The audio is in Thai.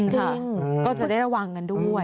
ค่ะก็จะได้ระวังกันด้วย